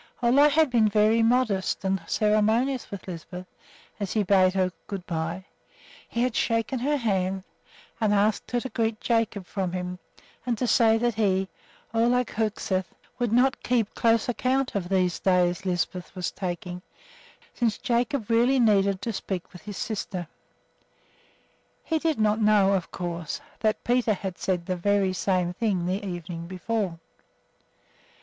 Ole had been very modest and ceremonious with Lisbeth as he bade her good by. He had shaken hands and asked her to greet Jacob from him, and to say that he, Ole Hoegseth, would not keep close account of these days Lisbeth was taking, since Jacob really needed to speak with his sister. He did not know, of course, that Peter had said the very same thing the evening before.